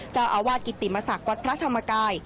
เจ้าอวาดกิตติมสักพระธรรมกาย